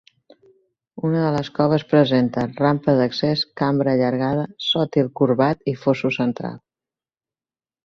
Una de les coves presenta: rampa d'accés, cambra allargada, sòtil corbat i fosso central.